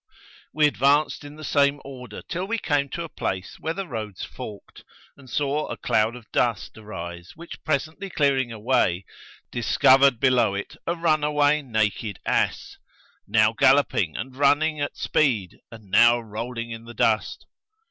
We advanced in the same order till we came to a place where the roads forked and saw a cloud of dust arise which, presently clearing away, discovered below it a runaway naked ass, now galloping and running at speed and now rolling in the dust.